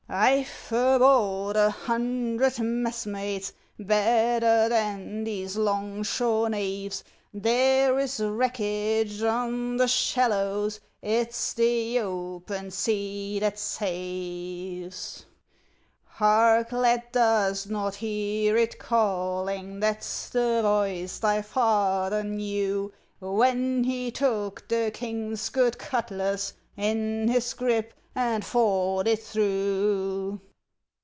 I've aboard a hundred messmates Better than these 'long shore knaves. There is wreckage on the shallows; It's the open sea that saves. Hark, lad, dost not hear it calling? That's the voice thy father knew, When he took the King's good cutlass In his grip, and fought it through.